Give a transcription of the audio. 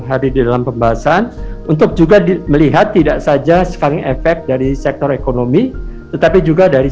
hadir di dalam pembahasan untuk juga melihat tidak saja sekarang efek dari sektor ekonomi tetapi juga dari